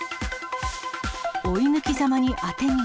追い抜きざまに当て逃げ。